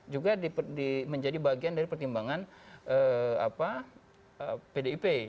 juga menjadi bagian dari pertimbangan pdip